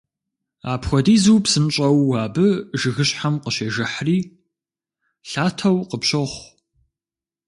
Апхуэдизу псынщӏэу абы жыгыщхьэм къыщежыхьри, лъатэу къыпщохъу.